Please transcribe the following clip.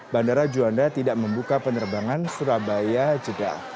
bandara juanda tidak membuka penerbangan surabaya jeda